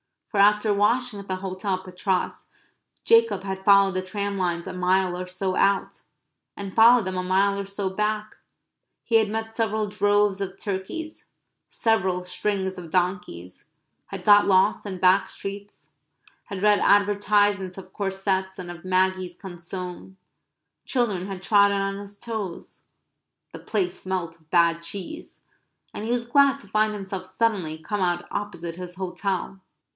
For after washing at the hotel at Patras, Jacob had followed the tram lines a mile or so out; and followed them a mile or so back; he had met several droves of turkeys; several strings of donkeys; had got lost in back streets; had read advertisements of corsets and of Maggi's consomme; children had trodden on his toes; the place smelt of bad cheese; and he was glad to find himself suddenly come out opposite his hotel.